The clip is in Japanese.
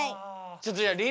ちょっとじゃあり